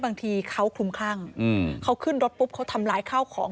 บางทีเขาคลุมคลั่งเขาขึ้นรถปุ๊บเขาทำร้ายข้าวของ